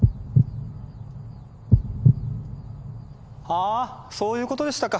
あぁそういうことでしたか。